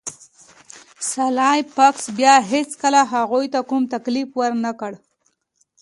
سلای فاکس بیا هیڅکله هغوی ته کوم تکلیف ورنکړ